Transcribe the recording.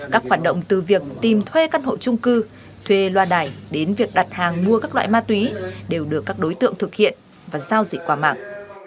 các hoạt động từ việc tìm thuê căn hộ trung cư thuê loa đài đến việc đặt hàng mua các loại ma túy đều được các đối tượng thực hiện và giao dịch qua mạng